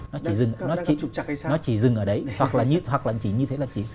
nó chỉ dừng ở đấy hoặc là chỉ như thế là chỉ